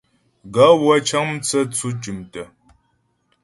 Gaê wə́ cə́ŋ mtsə́tsʉ̂ tʉ̀mtə̀.